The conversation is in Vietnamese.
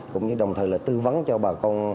cũng như đồng thời tư vấn cho bà con